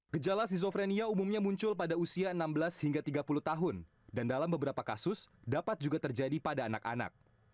gejala skizofrenia umumnya muncul pada usia enam belas hingga tiga puluh tahun dan dalam beberapa kasus dapat juga terjadi pada anak anak